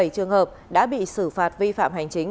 một mươi bảy trường hợp đã bị xử phạt vi phạm hành chính